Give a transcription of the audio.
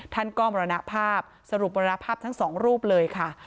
ท่านก็มรณภาพสรุปมรณภาพทั้งสองรูปเลยค่ะ